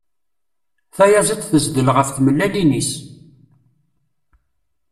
Tayaziḍt tezdel ɣef tmellalin-is.